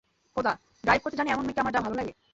খোদা, ড্রাইভ করতে জানে এমন মেয়েকে আমার যা ভালো লাগে!